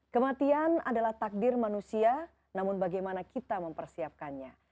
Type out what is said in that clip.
kematian adalah takdir manusia namun bagaimana kita mempersiapkannya